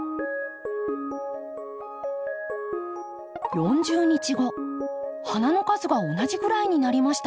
４０日後花の数が同じぐらいになりました。